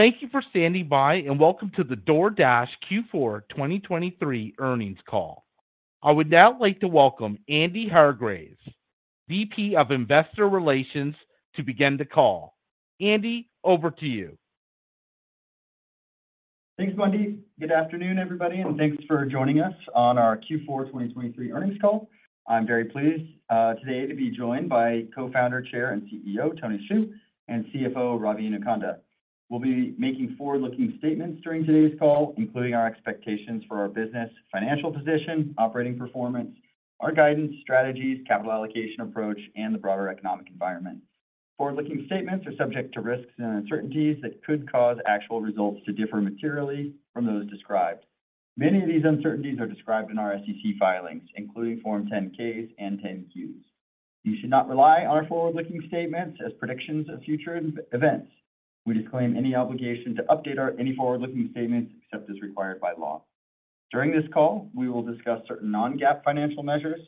Thank you for standing by and welcome to the DoorDash Q4 2023 earnings call. I would now like to welcome Andy Hargreaves, VP of Investor Relations, to begin the call. Andy, over to you. Thanks, Bundy. Good afternoon, everybody, and thanks for joining us on our Q4 2023 earnings call. I'm very pleased today to be joined by Co-founder, Chair, and CEO Tony Xu, and CFO Ravi Inukonda. We'll be making forward-looking statements during today's call, including our expectations for our business, financial position, operating performance, our guidance, strategies, capital allocation approach, and the broader economic environment. Forward-looking statements are subject to risks and uncertainties that could cause actual results to differ materially from those described. Many of these uncertainties are described in our SEC filings, including Form 10-Ks and 10-Qs. You should not rely on our forward-looking statements as predictions of future events. We disclaim any obligation to update any forward-looking statements except as required by law. During this call, we will discuss certain non-GAAP financial measures.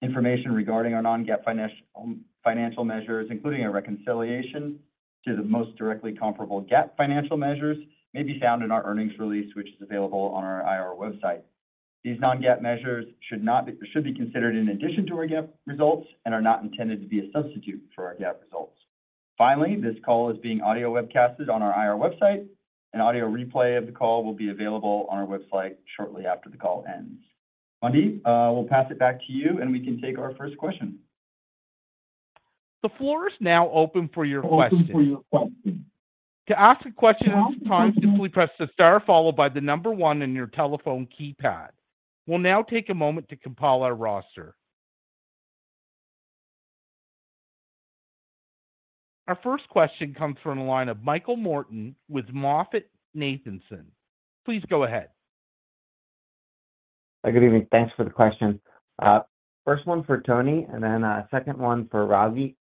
Information regarding our non-GAAP financial measures, including a reconciliation to the most directly comparable GAAP financial measures, may be found in our earnings release, which is available on our IR website. These non-GAAP measures should be considered in addition to our GAAP results and are not intended to be a substitute for our GAAP results. Finally, this call is being audio webcasted on our IR website. An audio replay of the call will be available on our website shortly after the call ends. Bundy, we'll pass it back to you, and we can take our first question. The floor is now open for your questions. Open for your questions. To ask a question, it's time to simply press star followed by the number one on your telephone keypad. We'll now take a moment to compile our roster. Our first question comes from the line of Michael Morton with MoffettNathanson. Please go ahead. Good evening. Thanks for the question. First one for Tony, and then a second one for Ravi.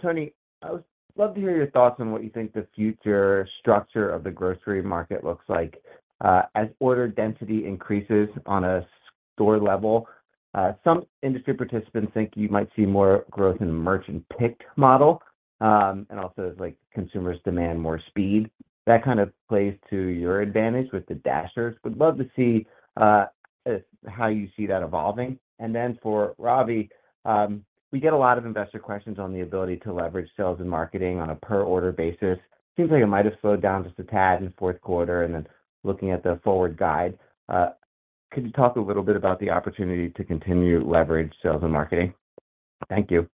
Tony, I would love to hear your thoughts on what you think the future structure of the grocery market looks like. As order density increases on a store level, some industry participants think you might see more growth in the merchant-picked model, and also as consumers demand more speed. That kind of plays to your advantage with the Dashers. Would love to see how you see that evolving. And then for Ravi, we get a lot of investor questions on the ability to leverage sales and marketing on a per-order basis. Seems like it might have slowed down just a tad in the fourth quarter, and then looking at the forward guidance. Could you talk a little bit about the opportunity to continue to leverage sales and marketing? Thank you.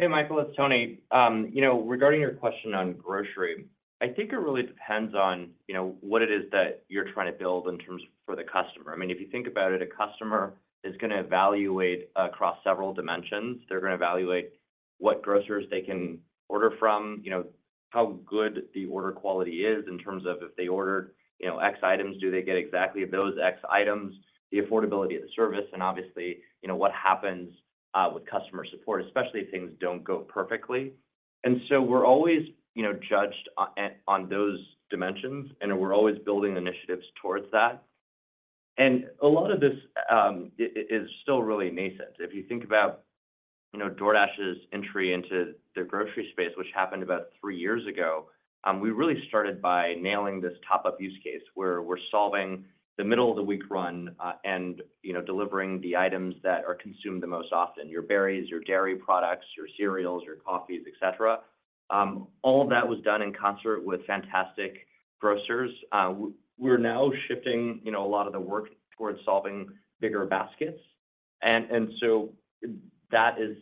Hey, Michael. It's Tony. Regarding your question on grocery, I think it really depends on what it is that you're trying to build in terms of for the customer. I mean, if you think about it, a customer is going to evaluate across several dimensions. They're going to evaluate what grocers they can order from, how good the order quality is in terms of if they ordered X items, do they get exactly those X items, the affordability of the service, and obviously, what happens with customer support, especially if things don't go perfectly. And so we're always judged on those dimensions, and we're always building initiatives towards that. And a lot of this is still really nascent. If you think about DoorDash's entry into the grocery space, which happened about three years ago, we really started by nailing this top-up use case where we're solving the middle of the week run and delivering the items that are consumed the most often: your berries, your dairy products, your cereals, your coffees, etc. All of that was done in concert with fantastic grocers. We're now shifting a lot of the work towards solving bigger baskets. And so that is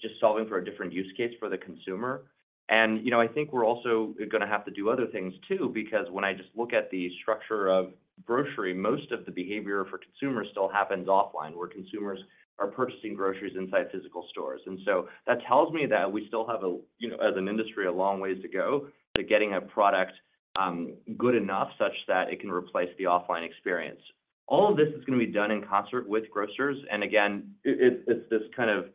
just solving for a different use case for the consumer. And I think we're also going to have to do other things too because when I just look at the structure of grocery, most of the behavior for consumers still happens offline where consumers are purchasing groceries inside physical stores. And so that tells me that we still have, as an industry, a long ways to go to getting a product good enough such that it can replace the offline experience. All of this is going to be done in concert with grocers. And again, it's this kind of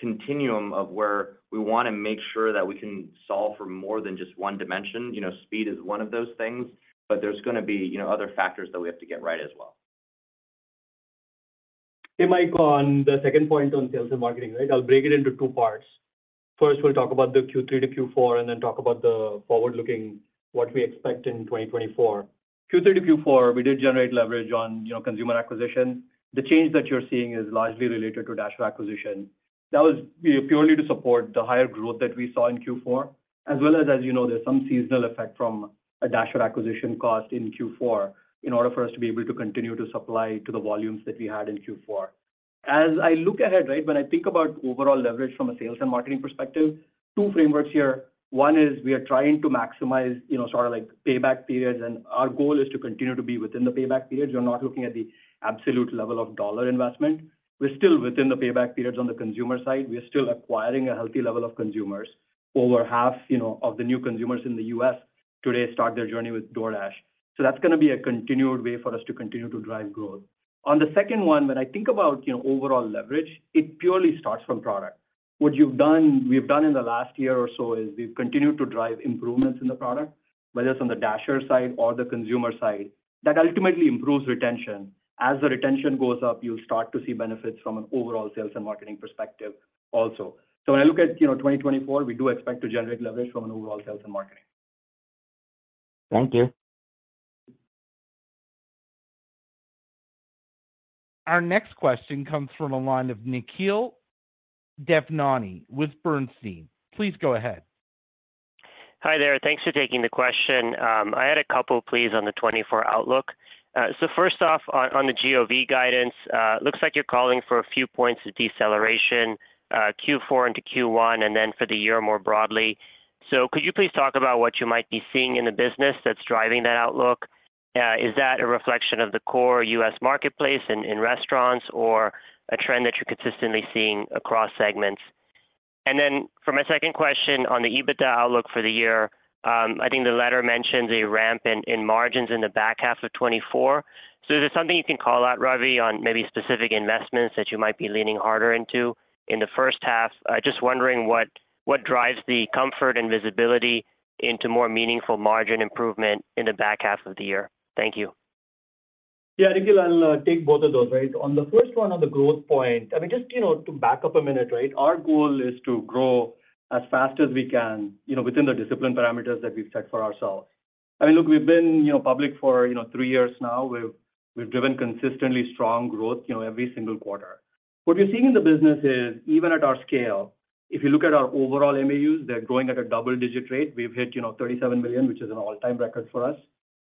continuum of where we want to make sure that we can solve for more than just one dimension. Speed is one of those things, but there's going to be other factors that we have to get right as well. Hey, Michael. On the second point on sales and marketing, right, I'll break it into two parts. First, we'll talk about the Q3 to Q4 and then talk about the forward-looking what we expect in 2024. Q3 to Q4, we did generate leverage on consumer acquisition. The change that you're seeing is largely related to Dasher acquisition. That was purely to support the higher growth that we saw in Q4, as well as, as you know, there's some seasonal effect from a Dasher acquisition cost in Q4 in order for us to be able to continue to supply to the volumes that we had in Q4. As I look ahead, right, when I think about overall leverage from a sales and marketing perspective, two frameworks here. One is we are trying to maximize sort of payback periods, and our goal is to continue to be within the payback periods. We're not looking at the absolute level of dollar investment. We're still within the payback periods on the consumer side. We are still acquiring a healthy level of consumers. Over half of the new consumers in the U.S. today start their journey with DoorDash. So that's going to be a continued way for us to continue to drive growth. On the second one, when I think about overall leverage, it purely starts from product. What we've done in the last year or so is we've continued to drive improvements in the product, whether it's on the Dasher side or the consumer side. That ultimately improves retention. As the retention goes up, you'll start to see benefits from an overall sales and marketing perspective also. So when I look at 2024, we do expect to generate leverage from an overall sales and marketing. Thank you. Our next question comes from a line of Nikhil Devnani with Bernstein. Please go ahead. Hi there. Thanks for taking the question. I had a couple, please, on the 2024 outlook. So first off, on the GOV guidance, it looks like you're calling for a few points of deceleration Q4 into Q1 and then for the year more broadly. So could you please talk about what you might be seeing in the business that's driving that outlook? Is that a reflection of the core U.S. marketplace in restaurants or a trend that you're consistently seeing across segments? And then for my second question, on the EBITDA outlook for the year, I think the letter mentions a ramp in margins in the back half of 2024. So is there something you can call out, Ravi, on maybe specific investments that you might be leaning harder into in the first half? Just wondering what drives the comfort and visibility into more meaningful margin improvement in the back half of the year. Thank you. Yeah, Nikhil, I'll take both of those, right? On the first one, on the growth point, I mean, just to back up a minute, right, our goal is to grow as fast as we can within the discipline parameters that we've set for ourselves. I mean, look, we've been public for three years now. We've driven consistently strong growth every single quarter. What we're seeing in the business is, even at our scale, if you look at our overall MAUs, they're growing at a double-digit rate. We've hit 37 million, which is an all-time record for us.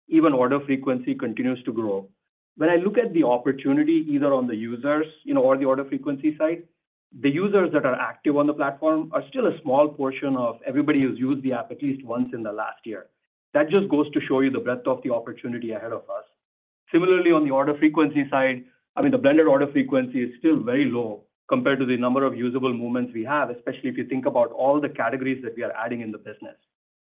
Even order frequency continues to grow. When I look at the opportunity, either on the users or the order frequency side, the users that are active on the platform are still a small portion of everybody who's used the app at least once in the last year. That just goes to show you the breadth of the opportunity ahead of us. Similarly, on the order frequency side, I mean, the blended order frequency is still very low compared to the number of usable movements we have, especially if you think about all the categories that we are adding in the business.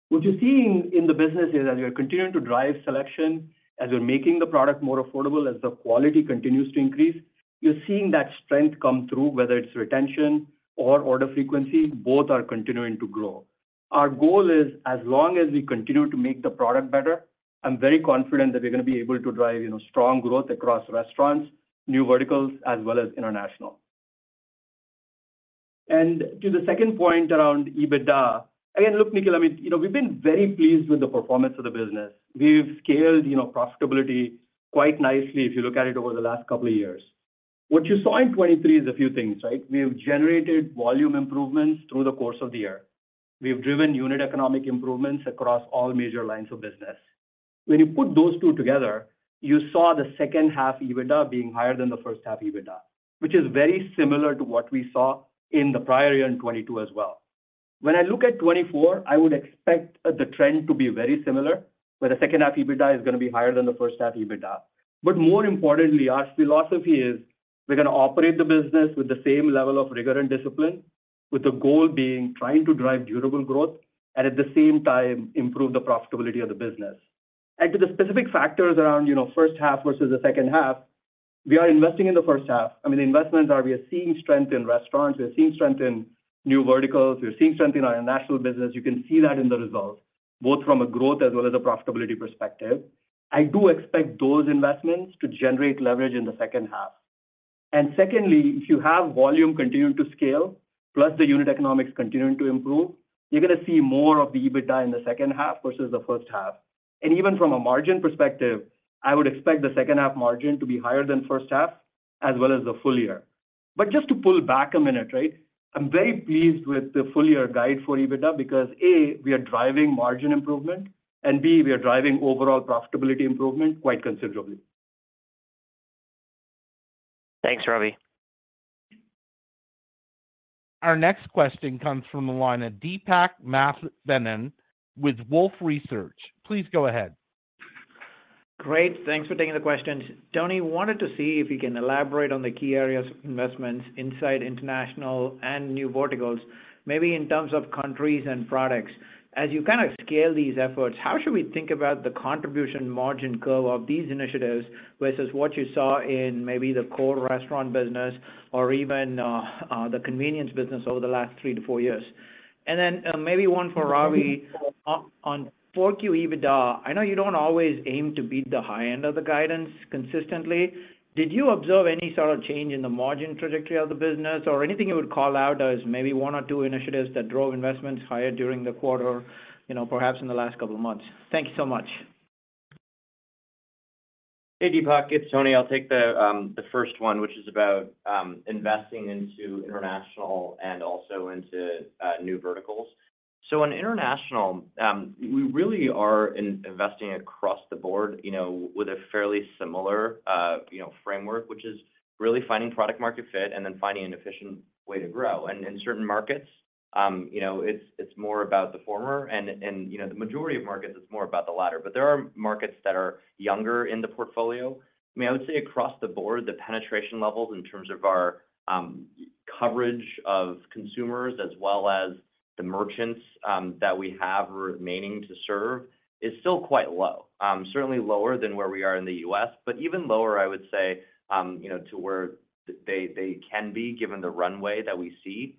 What you're seeing in the business is, as we are continuing to drive selection, as we're making the product more affordable, as the quality continues to increase, you're seeing that strength come through, whether it's retention or order frequency. Both are continuing to grow. Our goal is, as long as we continue to make the product better, I'm very confident that we're going to be able to drive strong growth across restaurants, new verticals, as well as international. To the second point around EBITDA, again, look, Nikhil, I mean, we've been very pleased with the performance of the business. We've scaled profitability quite nicely if you look at it over the last couple of years. What you saw in 2023 is a few things, right? We've generated volume improvements through the course of the year. We've driven unit economic improvements across all major lines of business. When you put those two together, you saw the second half EBITDA being higher than the first half EBITDA, which is very similar to what we saw in the prior year in 2022 as well. When I look at 2024, I would expect the trend to be very similar, where the second half EBITDA is going to be higher than the first half EBITDA. But more importantly, our philosophy is we're going to operate the business with the same level of rigor and discipline, with the goal being trying to drive durable growth and, at the same time, improve the profitability of the business. And to the specific factors around first half versus the second half, we are investing in the first half. I mean, the investments are we are seeing strength in restaurants. We are seeing strength in new verticals. We are seeing strength in our international business. You can see that in the results, both from a growth as well as a profitability perspective. I do expect those investments to generate leverage in the second half. And secondly, if you have volume continuing to scale, plus the unit economics continuing to improve, you're going to see more of the EBITDA in the second half versus the first half. Even from a margin perspective, I would expect the second half margin to be higher than first half as well as the full year. But just to pull back a minute, right, I'm very pleased with the full year guide for EBITDA because, A, we are driving margin improvement, and B, we are driving overall profitability improvement quite considerably. Thanks, Ravi. Our next question comes from the line of Deepak Mathivanan with Wolfe Research. Please go ahead. Great. Thanks for taking the questions. Tony wanted to see if you can elaborate on the key areas of investments inside international and new verticals, maybe in terms of countries and products. As you kind of scale these efforts, how should we think about the contribution margin curve of these initiatives versus what you saw in maybe the core restaurant business or even the convenience business over the last three to four years? And then maybe one for Ravi. On 4Q EBITDA, I know you don't always aim to beat the high end of the guidance consistently. Did you observe any sort of change in the margin trajectory of the business or anything you would call out as maybe 1 or 2 initiatives that drove investments higher during the quarter, perhaps in the last couple of months? Thank you so much. Hey, Deepak. It's Tony. I'll take the first one, which is about investing into international and also into new verticals. So on international, we really are investing across the board with a fairly similar framework, which is really finding product-market fit and then finding an efficient way to grow. And in certain markets, it's more about the former. And in the majority of markets, it's more about the latter. But there are markets that are younger in the portfolio. I mean, I would say across the board, the penetration levels in terms of our coverage of consumers as well as the merchants that we have remaining to serve is still quite low, certainly lower than where we are in the U.S., but even lower, I would say, to where they can be given the runway that we see.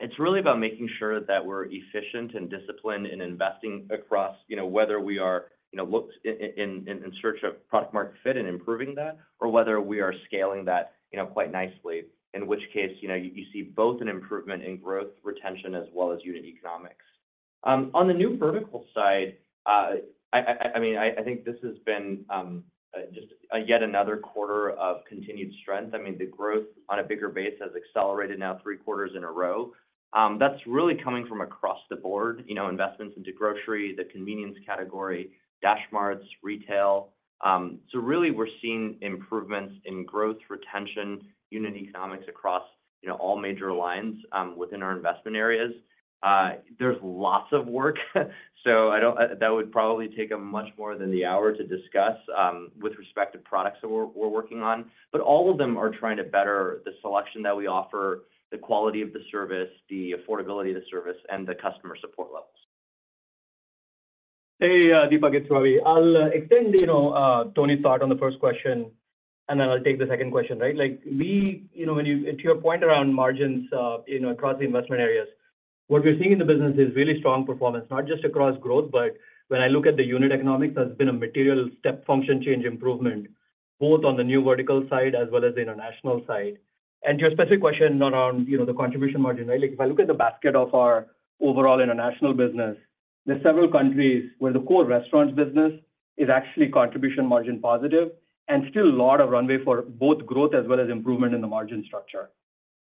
It's really about making sure that we're efficient and disciplined in investing across whether we are in search of product-market fit and improving that or whether we are scaling that quite nicely, in which case you see both an improvement in growth retention as well as unit economics. On the new vertical side, I mean, I think this has been just yet another quarter of continued strength. I mean, the growth on a bigger base has accelerated now three quarters in a row. That's really coming from across the board: investments into grocery, the convenience category, DashMarts, retail. Really, we're seeing improvements in growth retention, unit economics across all major lines within our investment areas. There's lots of work. That would probably take much more than the hour to discuss with respect to products that we're working on. But all of them are trying to better the selection that we offer, the quality of the service, the affordability of the service, and the customer support levels. Hey, Deepak. It's Ravi. I'll extend Tony's thought on the first question, and then I'll take the second question, right? To your point around margins across the investment areas, what we're seeing in the business is really strong performance, not just across growth, but when I look at the unit economics, there's been a material step function change improvement both on the new vertical side as well as the international side. And to your specific question, not around the contribution margin, right, if I look at the basket of our overall international business, there are several countries where the core restaurants business is actually contribution margin positive and still a lot of runway for both growth as well as improvement in the margin structure.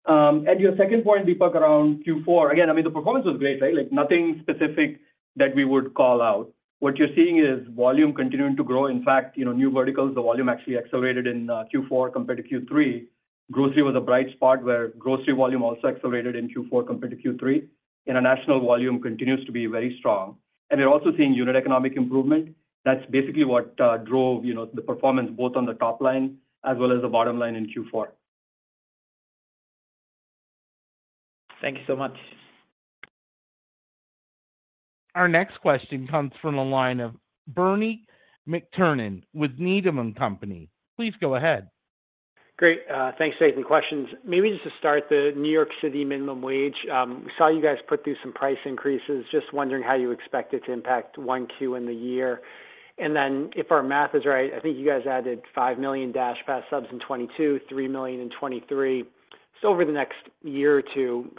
And your second point, Deepak, around Q4, again, I mean, the performance was great, right? Nothing specific that we would call out. What you're seeing is volume continuing to grow. In fact, new verticals, the volume actually accelerated in Q4 compared to Q3. Grocery was a bright spot where grocery volume also accelerated in Q4 compared to Q3. International volume continues to be very strong. And we're also seeing unit economic improvement. That's basically what drove the performance both on the top line as well as the bottom line in Q4. Thank you so much. Our next question comes from a line of Bernie McTernan with Needham & Company. Please go ahead. Great. Thanks, Jason. Questions. Maybe just to start, the New York City minimum wage, we saw you guys put through some price increases. Just wondering how you expect it to impact 1Q in the year. And then if our math is right, I think you guys added 5 million DashPass subs in 2022, 3 million in 2023. So over the next year or two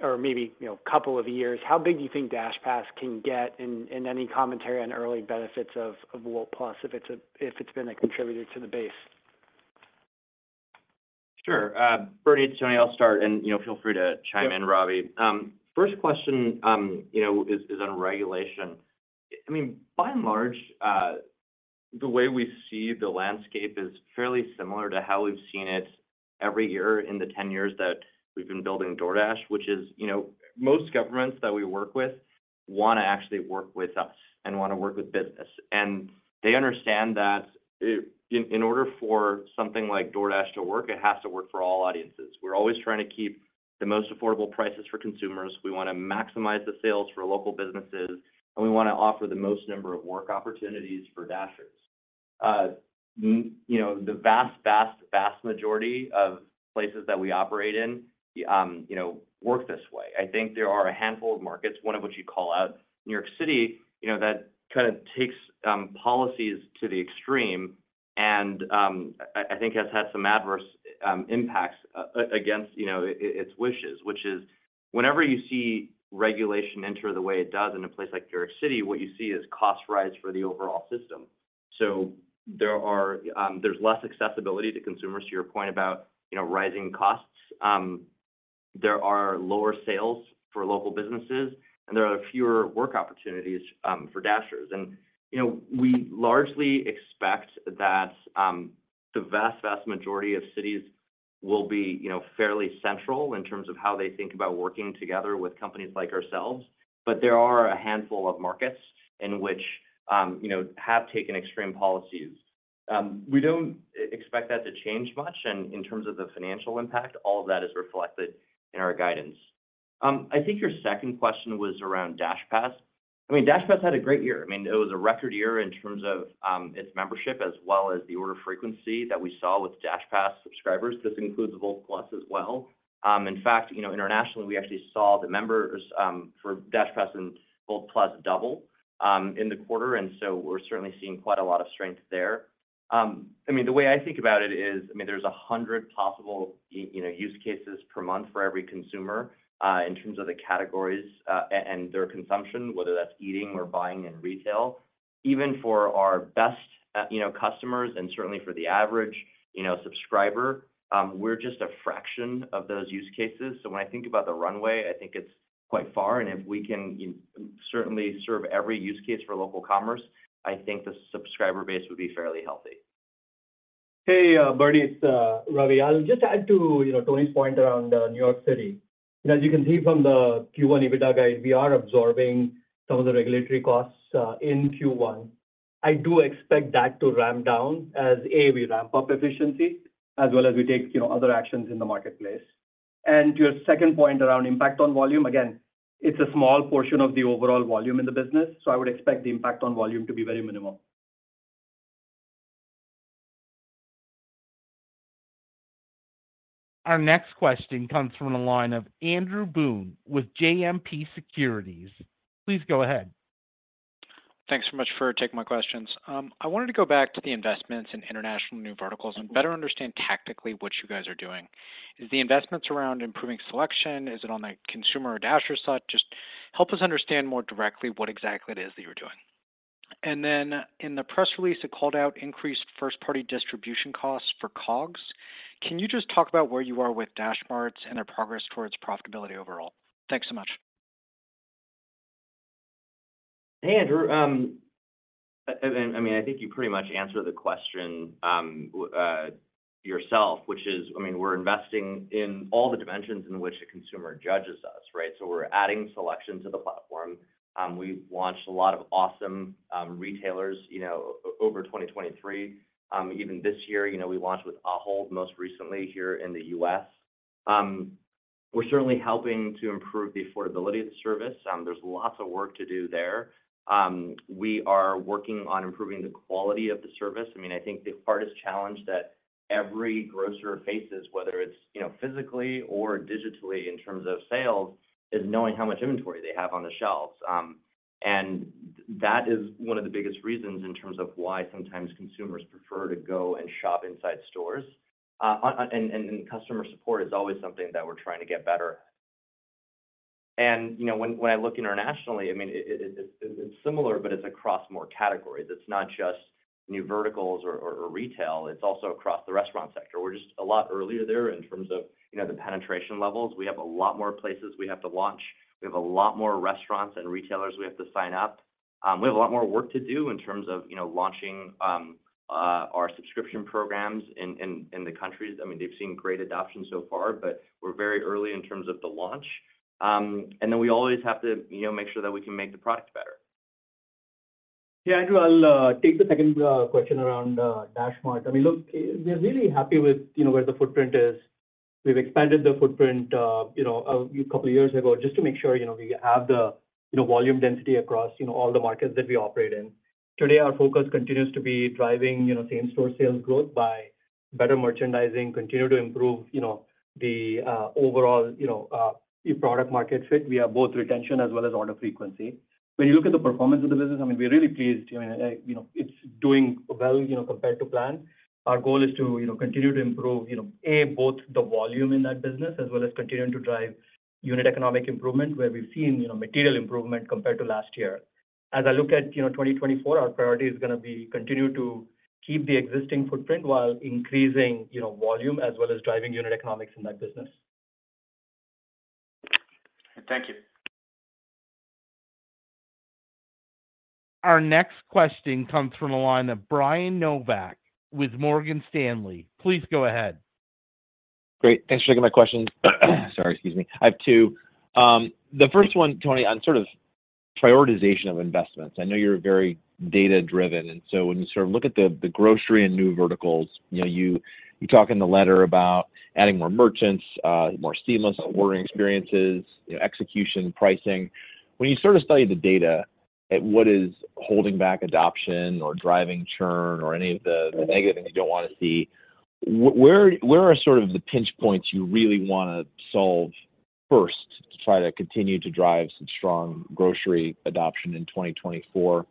or maybe a couple of years, how big do you think DashPass can get? Any commentary on early benefits of Wolt+ if it's been a contributor to the base? Sure. Bernie, Tony, I'll start, and feel free to chime in, Ravi. First question is on regulation. I mean, by and large, the way we see the landscape is fairly similar to how we've seen it every year in the 10 years that we've been building DoorDash, which is most governments that we work with want to actually work with us and want to work with business. And they understand that in order for something like DoorDash to work, it has to work for all audiences. We're always trying to keep the most affordable prices for consumers. We want to maximize the sales for local businesses, and we want to offer the most number of work opportunities for Dashers. The vast, vast, vast majority of places that we operate in work this way. I think there are a handful of markets, one of which you call out, New York City, that kind of takes policies to the extreme and I think has had some adverse impacts against its wishes, which is whenever you see regulation enter the way it does in a place like New York City, what you see is cost rise for the overall system. So there's less accessibility to consumers, to your point about rising costs. There are lower sales for local businesses, and there are fewer work opportunities for Dashers. And we largely expect that the vast, vast majority of cities will be fairly central in terms of how they think about working together with companies like ourselves. But there are a handful of markets in which have taken extreme policies. We don't expect that to change much. And in terms of the financial impact, all of that is reflected in our guidance. I think your second question was around DashPass. I mean, DashPass had a great year. I mean, it was a record year in terms of its membership as well as the order frequency that we saw with DashPass subscribers. This includes Wolt+ as well. In fact, internationally, we actually saw the members for DashPass and Wolt+ double in the quarter. And so we're certainly seeing quite a lot of strength there. I mean, the way I think about it is, I mean, there's 100 possible use cases per month for every consumer in terms of the categories and their consumption, whether that's eating or buying in retail. Even for our best customers and certainly for the average subscriber, we're just a fraction of those use cases. When I think about the runway, I think it's quite far. If we can certainly serve every use case for local commerce, I think the subscriber base would be fairly healthy. Hey, Bernie. It's Ravi. I'll just add to Tony's point around New York City. As you can see from the Q1 EBITDA guide, we are absorbing some of the regulatory costs in Q1. I do expect that to ramp down as, A, we ramp up efficiency as well as we take other actions in the marketplace. And to your second point around impact on volume, again, it's a small portion of the overall volume in the business. So I would expect the impact on volume to be very minimal. Our next question comes from the line of Andrew Boone with JMP Securities. Please go ahead. Thanks so much for taking my questions. I wanted to go back to the investments in international new verticals and better understand tactically what you guys are doing. Is the investments around improving selection? Is it on the consumer or Dasher side? Just help us understand more directly what exactly it is that you're doing. And then in the press release, it called out increased first-party distribution costs for COGS. Can you just talk about where you are with DashMarts and their progress towards profitability overall? Thanks so much. Hey, Andrew. I mean, I think you pretty much answered the question yourself, which is, I mean, we're investing in all the dimensions in which a consumer judges us, right? So we're adding selection to the platform. We've launched a lot of awesome retailers over 2023. Even this year, we launched with Ahold most recently here in the U.S. We're certainly helping to improve the affordability of the service. There's lots of work to do there. We are working on improving the quality of the service. I mean, I think the hardest challenge that every grocer faces, whether it's physically or digitally in terms of sales, is knowing how much inventory they have on the shelves. And that is one of the biggest reasons in terms of why sometimes consumers prefer to go and shop inside stores. And customer support is always something that we're trying to get better at. When I look internationally, I mean, it's similar, but it's across more categories. It's not just new verticals or retail. It's also across the restaurant sector. We're just a lot earlier there in terms of the penetration levels. We have a lot more places we have to launch. We have a lot more restaurants and retailers we have to sign up. We have a lot more work to do in terms of launching our subscription programs in the countries. I mean, they've seen great adoption so far, but we're very early in terms of the launch. Then we always have to make sure that we can make the product better. Yeah, Andrew. I'll take the second question around DashMart. I mean, look, we're really happy with where the footprint is. We've expanded the footprint a couple of years ago just to make sure we have the volume density across all the markets that we operate in. Today, our focus continues to be driving same-store sales growth by better merchandising, continue to improve the overall product-market fit. We have both retention as well as order frequency. When you look at the performance of the business, I mean, we're really pleased. I mean, it's doing well compared to plan. Our goal is to continue to improve, A, both the volume in that business as well as continuing to drive unit economics improvement where we've seen material improvement compared to last year. As I look at 2024, our priority is going to be to continue to keep the existing footprint while increasing volume as well as driving unit economics in that business. Thank you. Our next question comes from a line of Brian Nowak with Morgan Stanley. Please go ahead. Great. Thanks for taking my questions. Sorry, excuse me. I have two. The first one, Tony, on sort of prioritization of investments. I know you're very data-driven. And so when you sort of look at the grocery and new verticals, you talk in the letter about adding more merchants, more seamless ordering experiences, execution, pricing. When you sort of study the data at what is holding back adoption or driving churn or any of the negative things you don't want to see, where are sort of the pinch points you really want to solve first to try to continue to drive some strong grocery adoption in 2024? And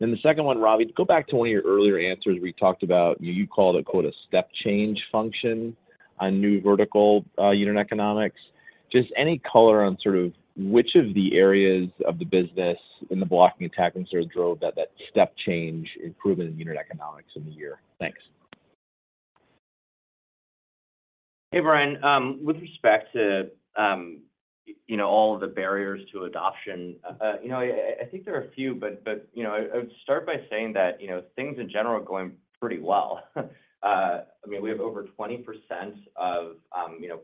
then the second one, Ravi, to go back to one of your earlier answers where you talked about you called it, quote, "a step change function" on new vertical unit economics. Just any color on sort of which of the areas of the business in the blocking attacking sort of drove that step change improvement in unit economics in the year? Thanks. Hey, Brian. With respect to all of the barriers to adoption, I think there are a few, but I would start by saying that things in general are going pretty well. I mean, we have over 20% of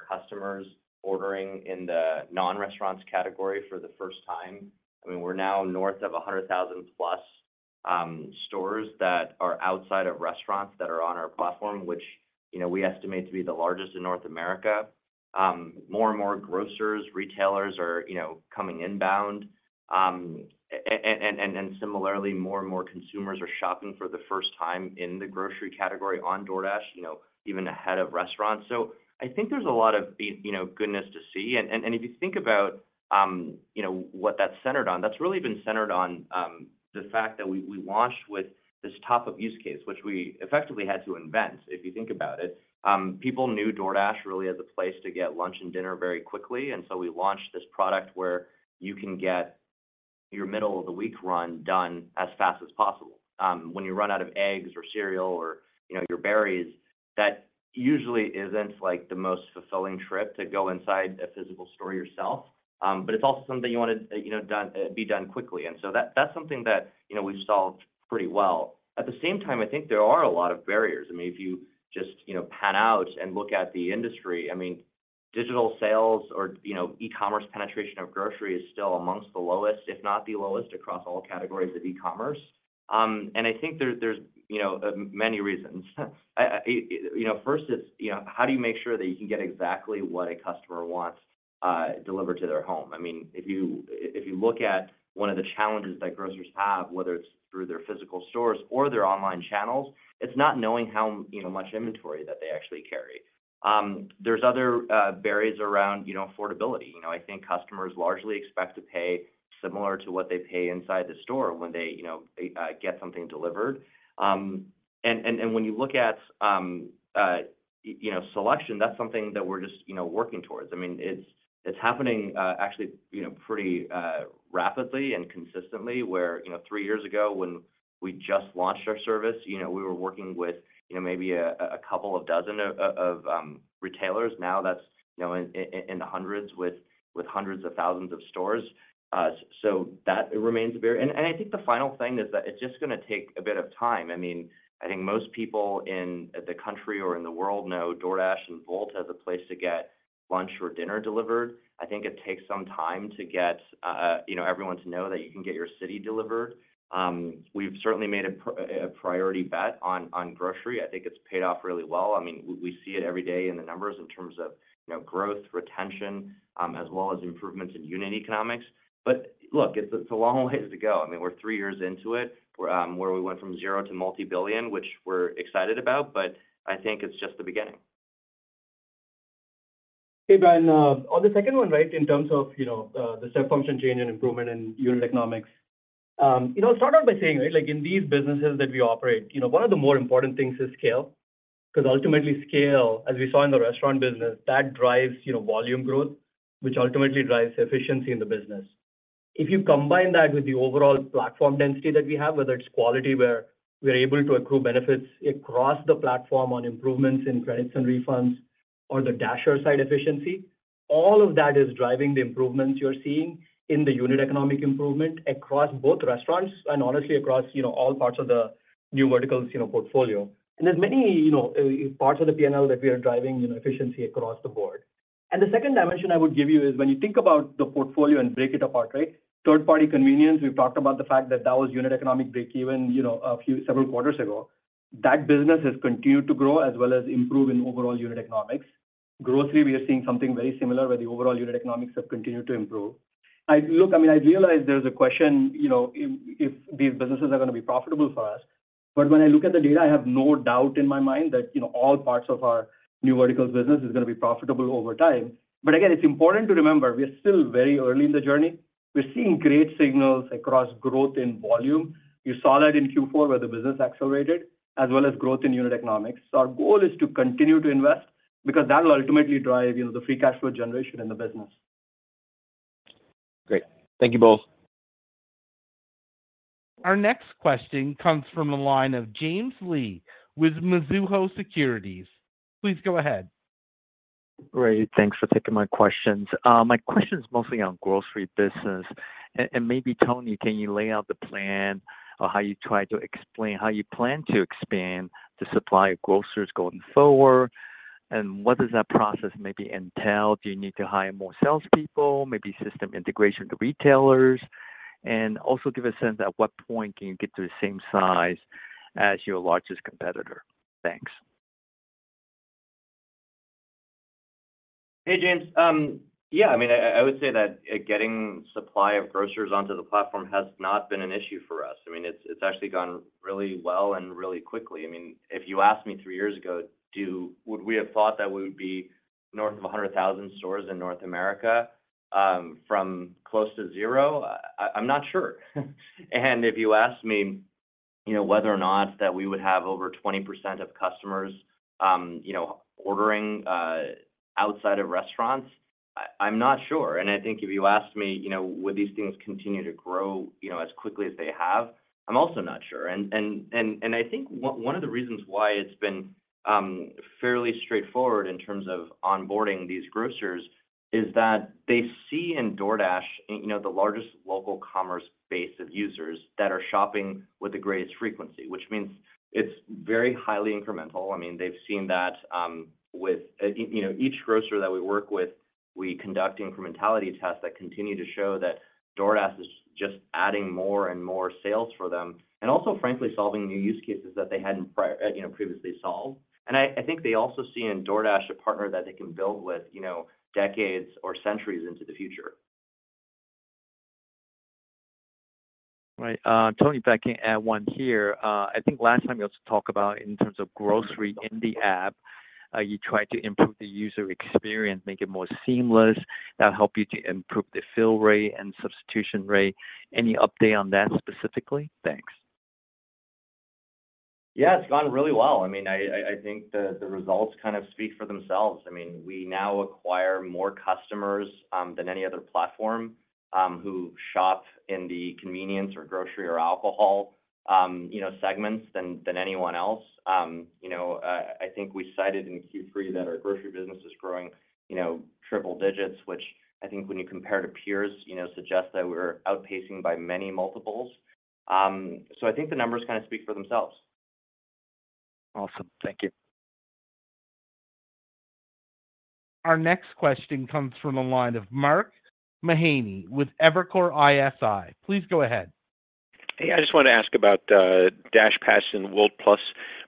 customers ordering in the non-restaurants category for the first time. I mean, we're now north of 100,000+ stores that are outside of restaurants that are on our platform, which we estimate to be the largest in North America. More and more grocers, retailers are coming inbound. And similarly, more and more consumers are shopping for the first time in the grocery category on DoorDash, even ahead of restaurants. So I think there's a lot of goodness to see. And if you think about what that's centered on, that's really been centered on the fact that we launched with this top-up use case, which we effectively had to invent, if you think about it. People knew DoorDash really as a place to get lunch and dinner very quickly. And so we launched this product where you can get your middle-of-the-week run done as fast as possible. When you run out of eggs or cereal or your berries, that usually isn't the most fulfilling trip to go inside a physical store yourself. But it's also something you want to be done quickly. And so that's something that we've solved pretty well. At the same time, I think there are a lot of barriers. I mean, if you just pan out and look at the industry, I mean, digital sales or e-commerce penetration of grocery is still amongst the lowest, if not the lowest, across all categories of e-commerce. And I think there's many reasons. First, it's how do you make sure that you can get exactly what a customer wants delivered to their home? I mean, if you look at one of the challenges that grocers have, whether it's through their physical stores or their online channels, it's not knowing how much inventory that they actually carry. There's other barriers around affordability. I think customers largely expect to pay similar to what they pay inside the store when they get something delivered. And when you look at selection, that's something that we're just working towards. I mean, it's happening actually pretty rapidly and consistently where three years ago, when we just launched our service, we were working with maybe a couple of dozen of retailers. Now that's in the hundreds with hundreds of thousands of stores. So that remains a barrier. And I think the final thing is that it's just going to take a bit of time. I mean, I think most people in the country or in the world know DoorDash and Wolt as a place to get lunch or dinner delivered. I think it takes some time to get everyone to know that you can get your grocery delivered. We've certainly made a priority bet on grocery. I think it's paid off really well. I mean, we see it every day in the numbers in terms of growth, retention, as well as improvements in unit economics. But look, it's a long ways to go. I mean, we're three years into it where we went from zero to multibillion, which we're excited about. But I think it's just the beginning. Hey, Brian. On the second one, right, in terms of the step function change and improvement in unit economics, I'll start out by saying, right, in these businesses that we operate, one of the more important things is scale. Because ultimately, scale, as we saw in the restaurant business, that drives volume growth, which ultimately drives efficiency in the business. If you combine that with the overall platform density that we have, whether it's quality where we're able to accrue benefits across the platform on improvements in credits and refunds or the Dasher side efficiency, all of that is driving the improvements you're seeing in the unit economic improvement across both restaurants and honestly, across all parts of the new verticals portfolio. There's many parts of the P&L that we are driving efficiency across the board. The second dimension I would give you is when you think about the portfolio and break it apart, right, third-party convenience. We've talked about the fact that that was Unit Economics break-even several quarters ago. That business has continued to grow as well as improve in overall Unit Economics. Grocery, we are seeing something very similar where the overall Unit Economics have continued to improve. Look, I mean, I realize there's a question if these businesses are going to be profitable for us. But when I look at the data, I have no doubt in my mind that all parts of our new verticals business is going to be profitable over time. But again, it's important to remember we're still very early in the journey. We're seeing great signals across growth in volume. You saw that in Q4 where the business accelerated as well as growth in Unit Economics. Our goal is to continue to invest because that will ultimately drive the free cash flow generation in the business. Great. Thank you both. Our next question comes from the line of James Lee with Mizuho Securities. Please go ahead. Great. Thanks for taking my questions. My question is mostly on grocery business. And maybe, Tony, can you lay out the plan or how you try to explain how you plan to expand the supply of grocers going forward? And what does that process maybe entail? Do you need to hire more salespeople, maybe system integration to retailers? And also give a sense at what point can you get to the same size as your largest competitor? Thanks. Hey, James. Yeah. I mean, I would say that getting supply of grocers onto the platform has not been an issue for us. I mean, it's actually gone really well and really quickly. I mean, if you asked me three years ago, would we have thought that we would be north of 100,000 stores in North America from close to zero? I'm not sure. And if you asked me whether or not that we would have over 20% of customers ordering outside of restaurants, I'm not sure. And I think if you asked me would these things continue to grow as quickly as they have, I'm also not sure. I think one of the reasons why it's been fairly straightforward in terms of onboarding these grocers is that they see in DoorDash the largest local commerce base of users that are shopping with the greatest frequency, which means it's very highly incremental. I mean, they've seen that with each grocer that we work with, we conduct incrementality tests that continue to show that DoorDash is just adding more and more sales for them and also, frankly, solving new use cases that they hadn't previously solved. I think they also see in DoorDash a partner that they can build with decades or centuries into the future. Right. Tony, if I can add one here. I think last time you also talked about in terms of grocery in the app, you tried to improve the user experience, make it more seamless. That'll help you to improve the fill rate and substitution rate. Any update on that specifically? Thanks. Yeah, it's gone really well. I mean, I think the results kind of speak for themselves. I mean, we now acquire more customers than any other platform who shop in the convenience or grocery or alcohol segments than anyone else. I think we cited in Q3 that our grocery business is growing triple digits, which I think when you compare to peers suggests that we're outpacing by many multiples. So I think the numbers kind of speak for themselves. Awesome. Thank you. Our next question comes from a line of Mark Mahaney with Evercore ISI. Please go ahead. Hey, I just wanted to ask about DashPass and Wolt+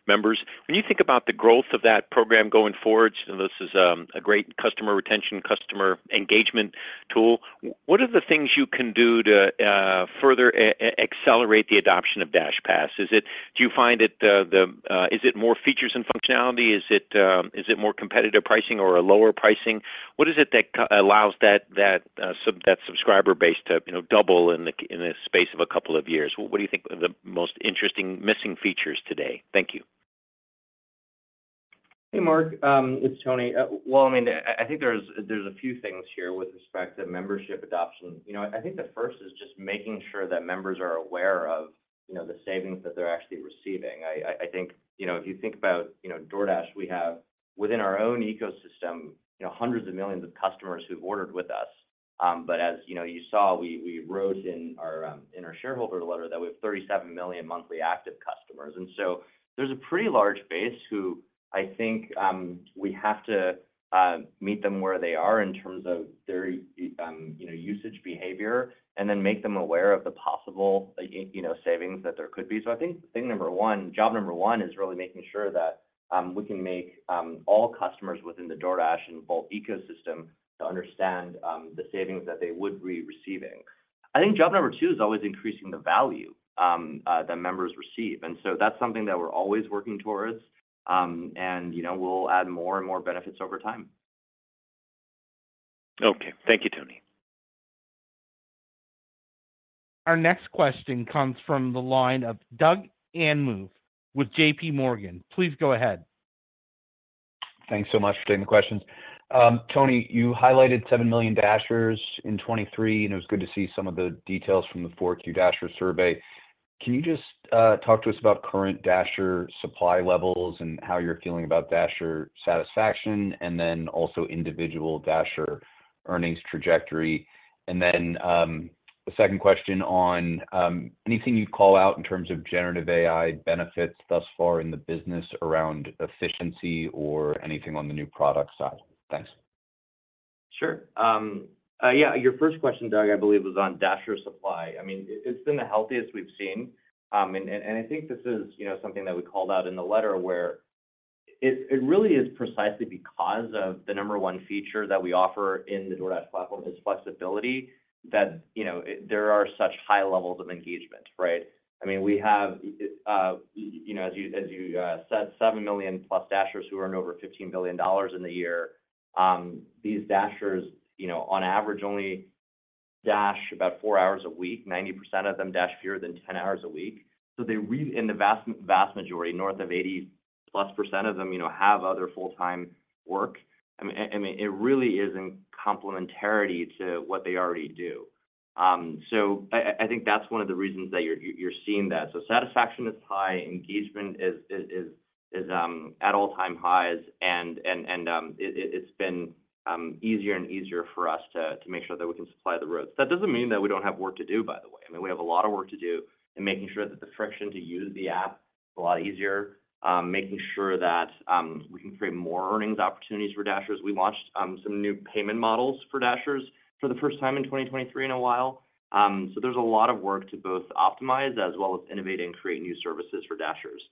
members. When you think about the growth of that program going forward, this is a great customer retention, customer engagement tool. What are the things you can do to further accelerate the adoption of DashPass? Do you find that is it more features and functionality? Is it more competitive pricing or a lower pricing? What is it that allows that subscriber base to double in the space of a couple of years? What do you think are the most interesting missing features today? Thank you. Hey, Mark. It's Tony. Well, I mean, I think there's a few things here with respect to membership adoption. I think the first is just making sure that members are aware of the savings that they're actually receiving. I think if you think about DoorDash, we have within our own ecosystem hundreds of millions of customers who've ordered with us. But as you saw, we wrote in our shareholder letter that we have 37 million monthly active customers. And so there's a pretty large base who I think we have to meet them where they are in terms of their usage behavior and then make them aware of the possible savings that there could be. So I think job number one is really making sure that we can make all customers within the DoorDash and Wolt ecosystem to understand the savings that they would be receiving. I think job number two is always increasing the value that members receive. So that's something that we're always working towards. We'll add more and more benefits over time. Okay. Thank you, Tony. Our next question comes from the line of Doug Anmuth with JPMorgan. Please go ahead. Thanks so much for taking the questions. Tony, you highlighted 7 million Dashers in 2023. It was good to see some of the details from the 4Q Dasher survey. Can you just talk to us about current Dasher supply levels and how you're feeling about Dasher satisfaction and then also individual Dasher earnings trajectory? And then the second question on anything you'd call out in terms of generative AI benefits thus far in the business around efficiency or anything on the new product side? Thanks. Sure. Yeah. Your first question, Doug, I believe was on Dasher supply. I mean, it's been the healthiest we've seen. And I think this is something that we called out in the letter where it really is precisely because of the number one feature that we offer in the DoorDash platform is flexibility that there are such high levels of engagement, right? I mean, we have, as you said, 7 million+ Dashers who earn over $15 billion in the year. These Dashers, on average, only dash about four hours a week, 90% of them dash fewer than 10 hours a week. So in the vast majority, north of 80%+ of them have other full-time work. I mean, it really is in complementarity to what they already do. So I think that's one of the reasons that you're seeing that. So satisfaction is high. Engagement is at all-time highs. And it's been easier and easier for us to make sure that we can supply the roads. That doesn't mean that we don't have work to do, by the way. I mean, we have a lot of work to do in making sure that the friction to use the app is a lot easier, making sure that we can create more earnings opportunities for Dashers. We launched some new payment models for Dashers for the first time in 2023 in a while. So there's a lot of work to both optimize as well as innovate and create new services for Dashers.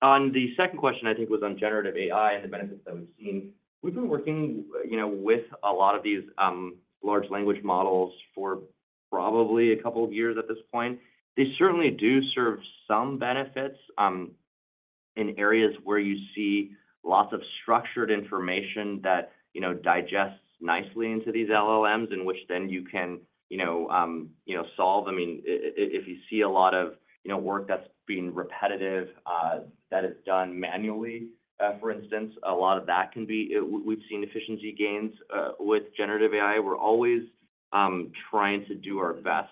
On the second question, I think, was on generative AI and the benefits that we've seen. We've been working with a lot of these large language models for probably a couple of years at this point. They certainly do serve some benefits in areas where you see lots of structured information that digests nicely into these LLMs, in which then you can solve. I mean, if you see a lot of work that's being repetitive that is done manually, for instance, a lot of that can be. We've seen efficiency gains with generative AI. We're always trying to do our best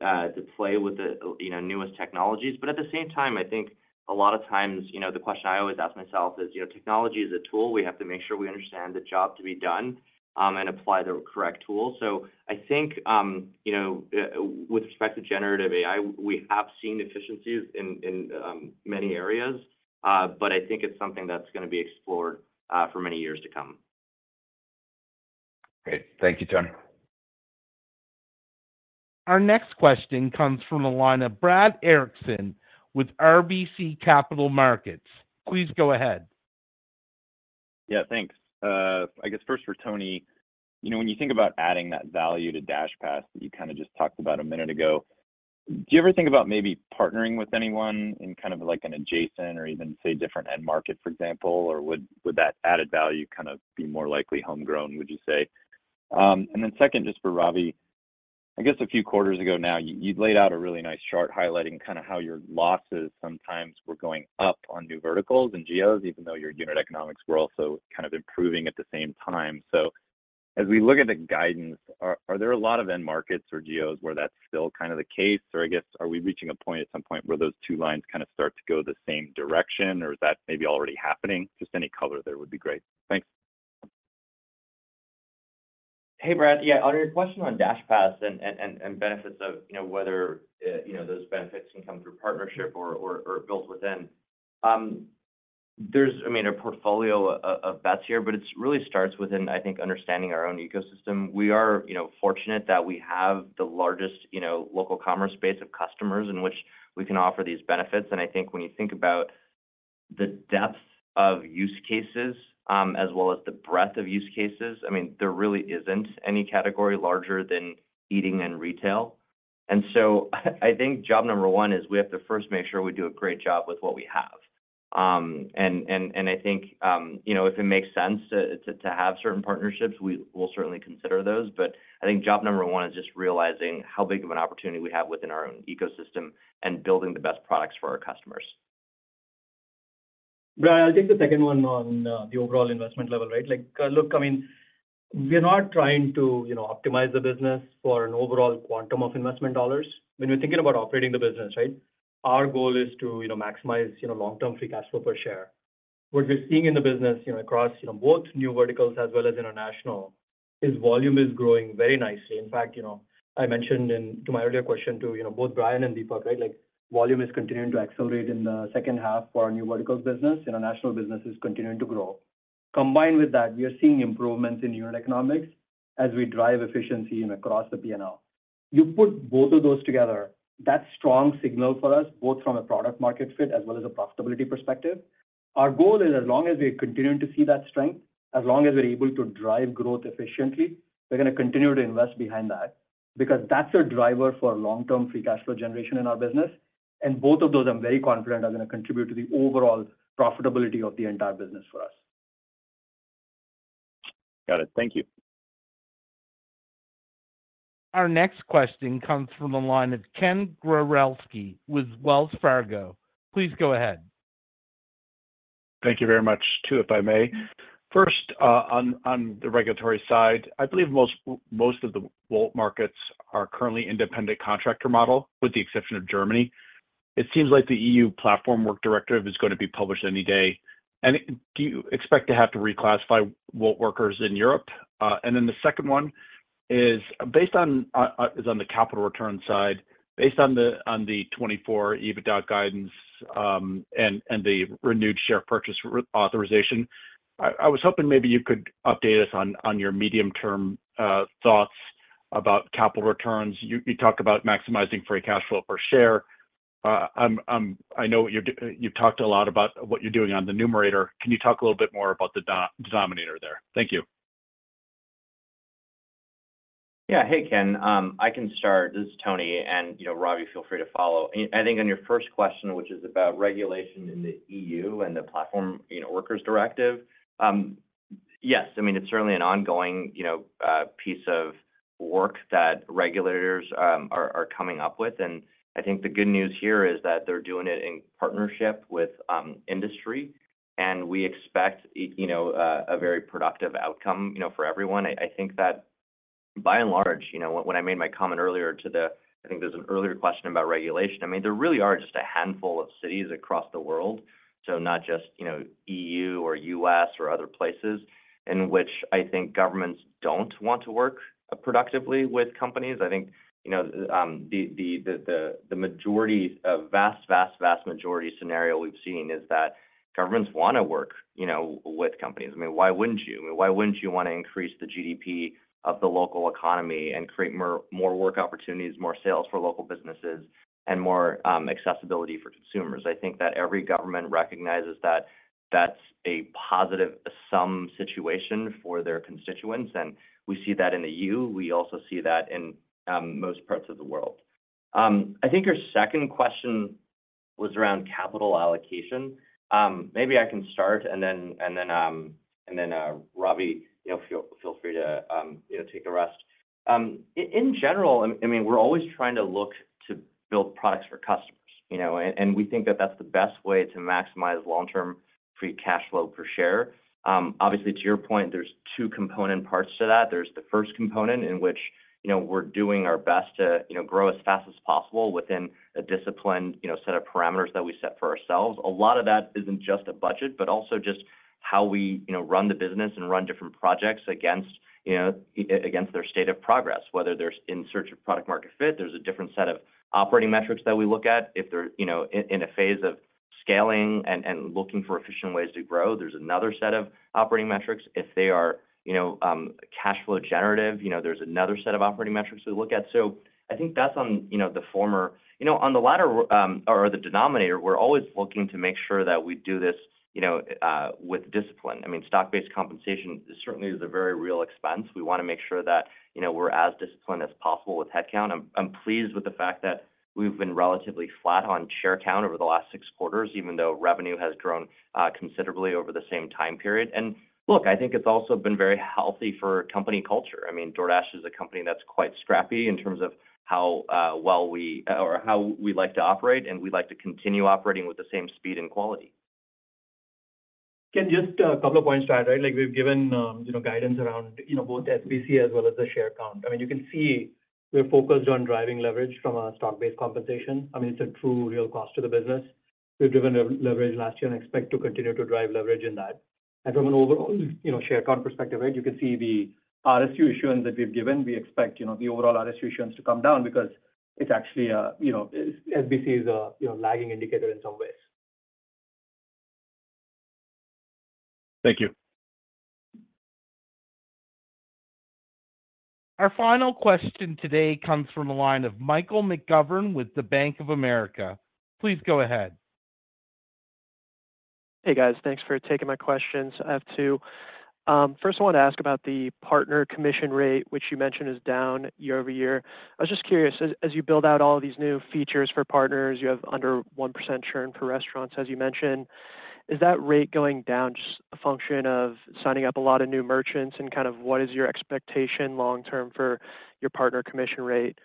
to play with the newest technologies. But at the same time, I think a lot of times the question I always ask myself is, "Technology is a tool. We have to make sure we understand the job to be done and apply the correct tool." So I think with respect to generative AI, we have seen efficiencies in many areas. But I think it's something that's going to be explored for many years to come. Great. Thank you, Tony. Our next question comes from the line of Brad Erickson with RBC Capital Markets. Please go ahead. Yeah, thanks. I guess first for Tony, when you think about adding that value to DashPass that you kind of just talked about a minute ago, do you ever think about maybe partnering with anyone in kind of an adjacent or even, say, different end market, for example? Or would that added value kind of be more likely homegrown, would you say? And then second, just for Ravi, I guess a few quarters ago now, you laid out a really nice chart highlighting kind of how your losses sometimes were going up on new verticals and GOs, even though your unit economics were also kind of improving at the same time. So as we look at the guidance, are there a lot of end markets or GOs where that's still kind of the case? Or I guess are we reaching a point at some point where those two lines kind of start to go the same direction? Or is that maybe already happening? Just any color there would be great. Thanks. Hey, Brad. Yeah. On your question on DashPass and benefits of whether those benefits can come through partnership or built within, I mean, a portfolio of bets here, but it really starts within, I think, understanding our own ecosystem. We are fortunate that we have the largest local commerce base of customers in which we can offer these benefits. I think when you think about the depth of use cases as well as the breadth of use cases, I mean, there really isn't any category larger than eating and retail. And so I think job number one is we have to first make sure we do a great job with what we have. And I think if it makes sense to have certain partnerships, we'll certainly consider those. But I think job number one is just realizing how big of an opportunity we have within our own ecosystem and building the best products for our customers. Brad, I'll take the second one on the overall investment level, right? Look, I mean, we're not trying to optimize the business for an overall quantum of investment dollars. When you're thinking about operating the business, right, our goal is to maximize long-term free cash flow per share. What we're seeing in the business across both new verticals as well as international is volume is growing very nicely. In fact, I mentioned in my earlier question to both Brian and Deepak, right, volume is continuing to accelerate in the second half for our new verticals business. International business is continuing to grow. Combined with that, we are seeing improvements in unit economics as we drive efficiency across the P&L. You put both of those together, that's a strong signal for us, both from a product market fit as well as a profitability perspective. Our goal is, as long as we continue to see that strength, as long as we're able to drive growth efficiently, we're going to continue to invest behind that because that's a driver for long-term free cash flow generation in our business. And both of those, I'm very confident, are going to contribute to the overall profitability of the entire business for us. Got it. Thank you. Our next question comes from the line of Ken Gawrelski with Wells Fargo. Please go ahead. Thank you very much too, if I may. First, on the regulatory side, I believe most of the Wolt markets are currently independent contractor model with the exception of Germany. It seems like the EU Platform Workers Directive is going to be published any day. Do you expect to have to reclassify Wolt workers in Europe? Then the second one is on the capital return side. Based on the 2024 EBITDA guidance and the renewed share purchase authorization, I was hoping maybe you could update us on your medium-term thoughts about capital returns. You talked about maximizing free cash flow per share. I know you've talked a lot about what you're doing on the numerator. Can you talk a little bit more about the denominator there? Thank you. Yeah. Hey, Ken. I can start. This is Tony. And Ravi, feel free to follow. I think on your first question, which is about regulation in the EU and the Platform Workers Directive, yes. I mean, it's certainly an ongoing piece of work that regulators are coming up with. And I think the good news here is that they're doing it in partnership with industry. And we expect a very productive outcome for everyone. I think that, by and large, when I made my comment earlier to the I think there's an earlier question about regulation. I mean, there really are just a handful of cities across the world, so not just EU or US or other places, in which I think governments don't want to work productively with companies. I think the vast, vast, vast majority scenario we've seen is that governments want to work with companies. I mean, why wouldn't you? I mean, why wouldn't you want to increase the GDP of the local economy and create more work opportunities, more sales for local businesses, and more accessibility for consumers? I think that every government recognizes that that's a positive sum situation for their constituents. And we see that in the EU. We also see that in most parts of the world. I think your second question was around capital allocation. Maybe I can start, and then Ravi, feel free to take a rest. In general, I mean, we're always trying to look to build products for customers. And we think that that's the best way to maximize long-term free cash flow per share. Obviously, to your point, there's two component parts to that. There's the first component in which we're doing our best to grow as fast as possible within a disciplined set of parameters that we set for ourselves. A lot of that isn't just a budget, but also just how we run the business and run different projects against their state of progress, whether they're in search of product market fit. There's a different set of operating metrics that we look at. If they're in a phase of scaling and looking for efficient ways to grow, there's another set of operating metrics. If they are cash flow generative, there's another set of operating metrics we look at. So I think that's on the former, on the latter, or the denominator; we're always looking to make sure that we do this with discipline. I mean, stock-based compensation certainly is a very real expense. We want to make sure that we're as disciplined as possible with headcount. I'm pleased with the fact that we've been relatively flat on share count over the last six quarters, even though revenue has grown considerably over the same time period. And look, I think it's also been very healthy for company culture. I mean, DoorDash is a company that's quite scrappy in terms of how well we or how we like to operate. And we like to continue operating with the same speed and quality. Ken, just a couple of points to add, right? We've given guidance around both SBC as well as the share count. I mean, you can see we're focused on driving leverage from a stock-based compensation. I mean, it's a true real cost to the business. We've driven leverage last year and expect to continue to drive leverage in that. And from an overall share count perspective, right, you can see the RSU issuance that we've given, we expect the overall RSU issuance to come down because it's actually a SBC is a lagging indicator in some ways. Thank you. Our final question today comes from the line of Michael McGovern with the Bank of America. Please go ahead. Hey, guys. Thanks for taking my questions. I have two. First, I want to ask about the partner commission rate, which you mentioned is down year-over-year. I was just curious, as you build out all of these new features for partners, you have under 1% churn for restaurants, as you mentioned. Is that rate going down just a function of signing up a lot of new merchants? And kind of what is your expectation long-term for your partner commission rate?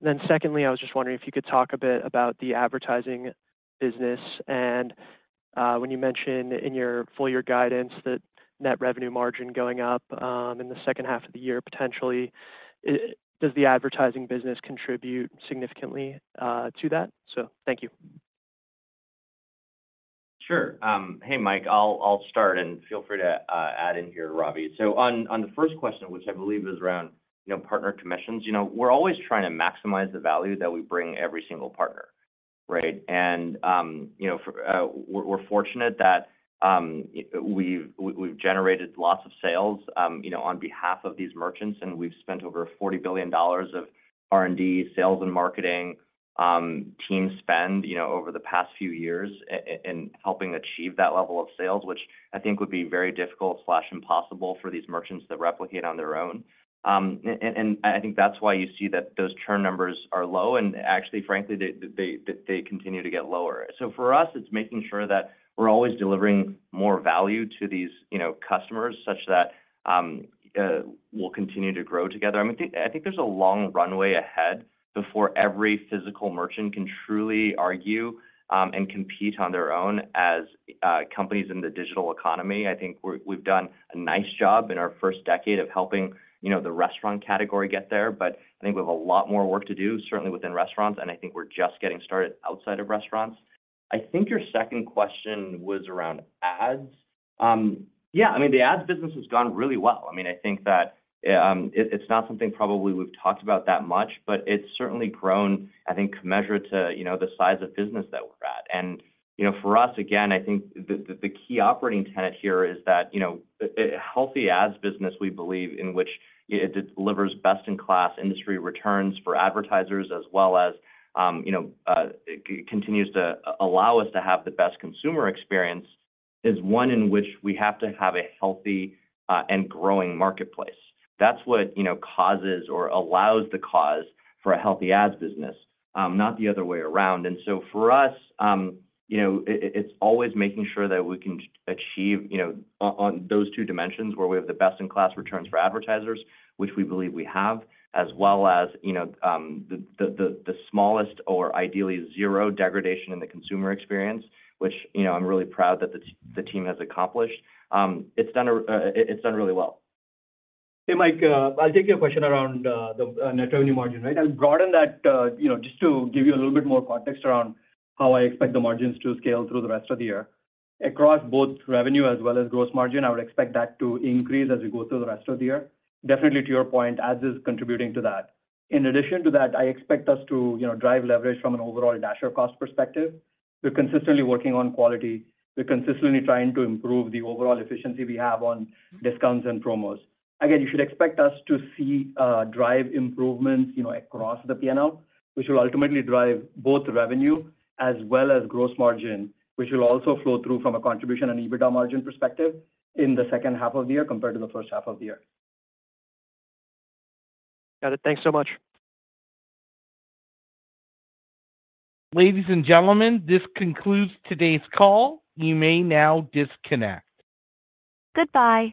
And then secondly, I was just wondering if you could talk a bit about the advertising business. And when you mentioned in your full year guidance that net revenue margin going up in the second half of the year, potentially, does the advertising business contribute significantly to that? So thank you. Sure. Hey, Mike. I'll start. And feel free to add in here, Ravi. So on the first question, which I believe is around partner commissions, we're always trying to maximize the value that we bring every single partner, right? And we're fortunate that we've generated lots of sales on behalf of these merchants. And we've spent over $40 billion of R&D, sales and marketing, team spend over the past few years in helping achieve that level of sales, which I think would be very difficult or impossible for these merchants to replicate on their own. And I think that's why you see that those churn numbers are low. And actually, frankly, they continue to get lower. So for us, it's making sure that we're always delivering more value to these customers such that we'll continue to grow together. I mean, I think there's a long runway ahead before every physical merchant can truly argue and compete on their own as companies in the digital economy. I think we've done a nice job in our first decade of helping the restaurant category get there. But I think we have a lot more work to do, certainly within restaurants. And I think we're just getting started outside of restaurants. I think your second question was around ads. Yeah. I mean, the ads business has gone really well. I mean, I think that it's not something probably we've talked about that much. But it's certainly grown, I think, commensurate to the size of business that we're at. And for us, again, I think the key operating tenet here is that a healthy ads business, we believe, in which it delivers best-in-class industry returns for advertisers as well as continues to allow us to have the best consumer experience, is one in which we have to have a healthy and growing marketplace. That's what causes or allows the cause for a healthy ads business, not the other way around. And so for us, it's always making sure that we can achieve on those two dimensions where we have the best-in-class returns for advertisers, which we believe we have, as well as the smallest or ideally zero degradation in the consumer experience, which I'm really proud that the team has accomplished. It's done really well. Hey, Mike. I'll take your question around the net revenue margin, right? I'll broaden that just to give you a little bit more context around how I expect the margins to scale through the rest of the year. Across both revenue as well as gross margin, I would expect that to increase as we go through the rest of the year. Definitely, to your point, ads is contributing to that. In addition to that, I expect us to drive leverage from an overall Dasher cost perspective. We're consistently working on quality. We're consistently trying to improve the overall efficiency we have on discounts and promos. Again, you should expect us to see drive improvements across the P&L, which will ultimately drive both revenue as well as gross margin, which will also flow through from a contribution and EBITDA margin perspective in the second half of the year compared to the first half of the year. Got it. Thanks so much. Ladies and gentlemen, this concludes today's call. You may now disconnect. Goodbye.